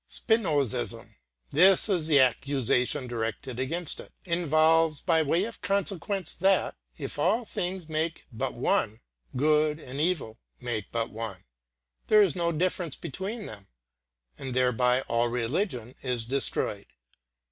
Spinozism this is the accusation directed against it involves by way of consequence that, if all things make but one, good and evil make but one; there is no difference between them; and thereby all religion is destroyed.